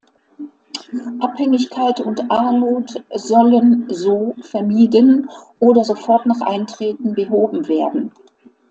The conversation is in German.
Abhängigkeit und Armut sollen so vermieden oder sofort nach Eintreten behoben werden.